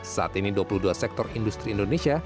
saat ini dua puluh dua sektor industri indonesia